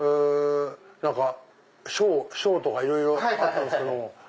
何か賞とかいろいろあったんですけども。